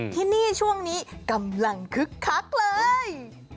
ที่นี่ช่วงนี้กำลังคึกคักเลย